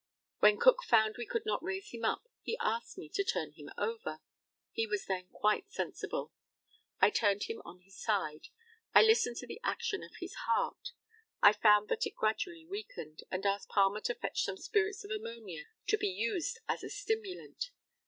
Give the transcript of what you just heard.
When Cook found we could not raise him up, he asked me to turn him over. He was then quite sensible. I turned him on to his side. I listened to the action of his heart. I found that it gradually weakened, and asked Palmer to fetch some spirits of ammonia to be used as a stimulant.